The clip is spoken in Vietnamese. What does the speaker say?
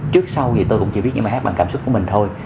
trước sau thì tôi cũng chỉ viết những bài hát bằng cảm xúc của mình thôi